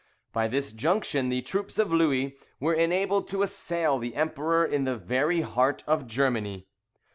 By this junction, the troops of Louis were enabled to assail the Emperor in the very heart of Germany.